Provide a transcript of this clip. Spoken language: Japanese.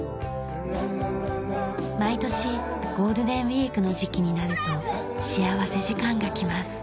毎年ゴールデンウィークの時期になると幸福時間がきます。